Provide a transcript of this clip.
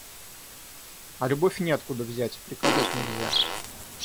А любовь неоткуда взять, приказать нельзя.